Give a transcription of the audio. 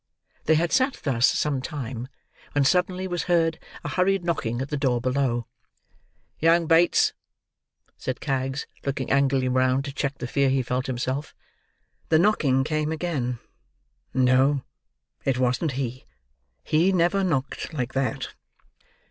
They had sat thus, some time, when suddenly was heard a hurried knocking at the door below. "Young Bates," said Kags, looking angrily round, to check the fear he felt himself. The knocking came again. No, it wasn't he. He never knocked like that.